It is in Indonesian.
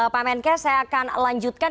pak menkes saya akan lanjutkan